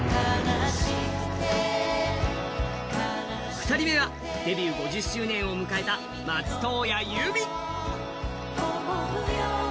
２人目はデビュー５０周年を迎えた松任谷由実。